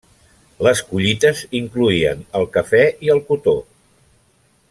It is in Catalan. Les collites incloïen el cafè i el cotó.